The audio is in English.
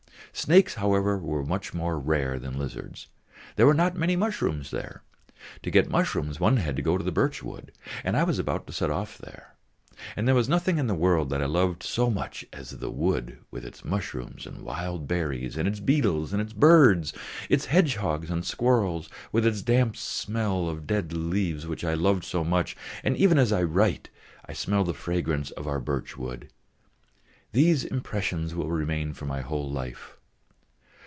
Snakes, however, were much more rare than lizards. There were not many mushrooms there. To get mushrooms one had to go to the birch wood, and I was about to set off there. And there was nothing in the world that I loved so much as the wood with its mushrooms and wild berries, with its beetles and its birds, its hedgehogs and squirrels, with its damp smell of dead leaves which I loved so much, and even as I write I smell the fragrance of our birch wood: these impressions will remain for my whole life.